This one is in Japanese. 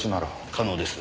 可能です。